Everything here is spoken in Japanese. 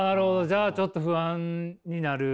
じゃあちょっと不安になる。